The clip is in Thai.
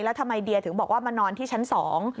แล้วทำไมเดียถึงบอกว่ามานอนที่ชั้นสอง